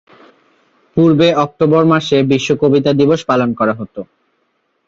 পূর্বে অক্টোবর মাসে বিশ্ব কবিতা দিবস পালন করা হত।